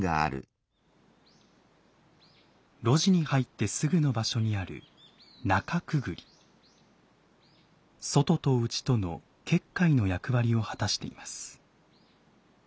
露地に入ってすぐの場所にある外と内との結界の役割を果たしています。